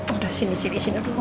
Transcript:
aduh sini sini sini